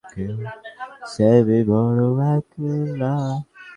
তিনি মোটেও পিছিয়ে ছিলেন না।